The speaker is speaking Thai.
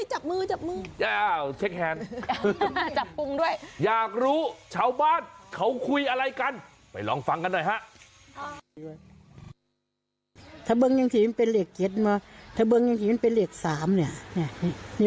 จับมือจับมือเจ้าเช็คแฮนด์จับปรุงด้วยอยากรู้ชาวบ้านเขาคุยอะไรกันไปลองฟังกันหน่อยฮะ